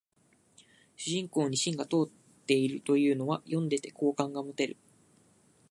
主人公に芯が通ってるというのは読んでて好感が持てる